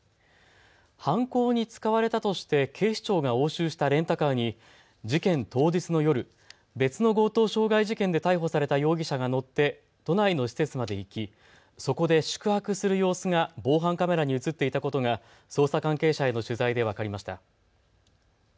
犯行に使われたとして警視庁が押収したレンタカーに事件当日の夜、別の強盗傷害事件で逮捕された容疑者が乗って都内の施設まで行き、そこで宿泊する様子が防犯カメラに写っていたことが捜査関係者への取材で分かりました。